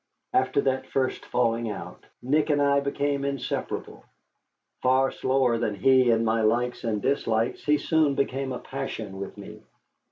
After that first falling out, Nick and I became inseparable. Far slower than he in my likes and dislikes, he soon became a passion with me.